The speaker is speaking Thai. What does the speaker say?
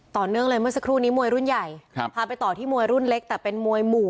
ต่อเนื่องเลยเมื่อสักครู่นี้มวยรุ่นใหญ่ครับพาไปต่อที่มวยรุ่นเล็กแต่เป็นมวยหมู่